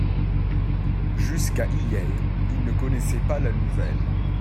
Jusqu'à hier ils ne connaissaient pas la nouvelle.